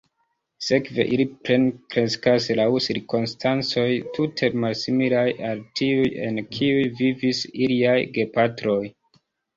Sekve ili plenkreskas laŭ cirkonstancoj tute malsimilaj al tiuj, en kiuj vivis iliaj gepatroj.